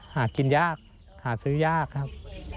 หากินยากหาซื้อยากครับ